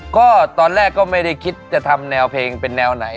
ก็ตอนแรกก็ไม่ได้คิดจะทำแนวเพลงเป็นแนวไหน